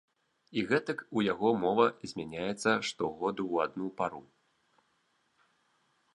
І гэтак у яго мова змяняецца штогоду ў адну пару.